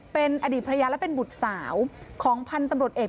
เป็นอดีตภรรยาและเป็นบุตรสาวของพันธุ์ตำรวจเอก